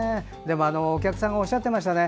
お客さんがおっしゃっていましたね。